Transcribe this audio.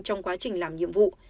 trong quá trình làm nhiệm vụ